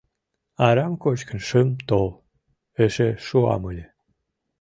— Арам кочкын шым тол, эше шуам ыле...»